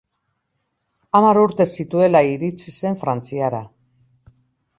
Hamar urte zituela iritsi zen Frantziara.